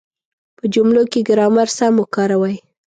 په جملو کې ګرامر سم وکاروئ.